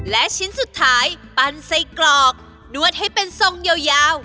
และชิ้นสุดท้ายปั้นใส่กรอกนวดให้เป็นทรงยาวให้เป็นสองยาวให้เป็นสองยาว